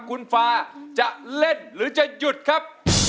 คุณฟ้าจะเล่นหรือจะหยุดครับ